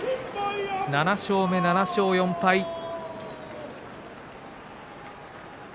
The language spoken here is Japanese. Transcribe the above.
７勝目、７勝４敗です。